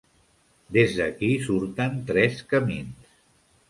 Des d'aquí surten tres camins.